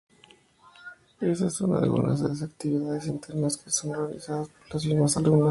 Esas son algunas de las actividades internas que son organizadas por las mismas alumnas.